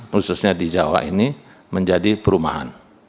khususnya di jawa ini menjadi perumahan